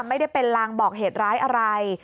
ไม่ได้เป็นลางบอกเหตุร้ายอะไร